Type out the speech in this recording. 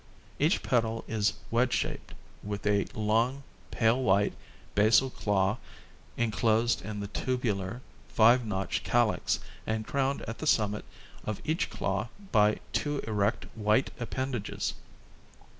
Each petal is wedge shaped, with a long, pale white, basal claw enclosed in the tubular, 5 notched calyx and crowned at the summit of each claw by two erect, white appendages.